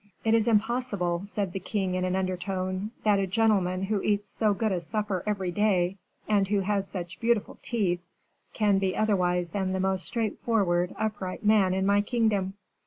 "It is impossible," said the king in an undertone, "that a gentleman who eats so good a supper every day, and who has such beautiful teeth, can be otherwise than the most straightforward, upright man in my kingdom."